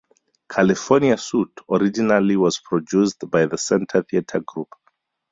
"California Suite" originally was produced by the Center Theatre Group.